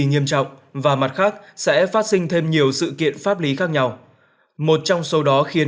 nghiêm trọng và mặt khác sẽ phát sinh thêm nhiều sự kiện pháp lý khác nhau một trong số đó khiến